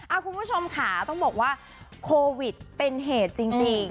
คุณผู้ชมค่ะต้องบอกว่าโควิดเป็นเหตุจริง